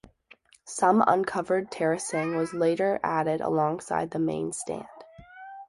Some uncovered terracing was later added alongside the main stand.